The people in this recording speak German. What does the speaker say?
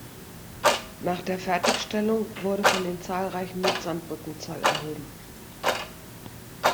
Nach der Fertigstellung wurde von den zahlreichen Nutzern Brückenzoll erhoben.